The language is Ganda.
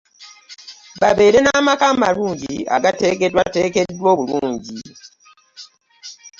Babeere n'amaka amalungi agateekeddwateekeddwa obulungi.